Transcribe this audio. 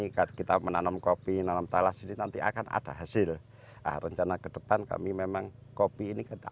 jelas ini kita menanam kopi dalam talas ini nanti akan ada hasil rencana kedepan kami memang kopi ini kita